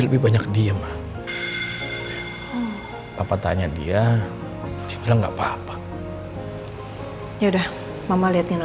lebih banyak dia papa tanya dia bilang enggak apa apa ya udah mama lihatnya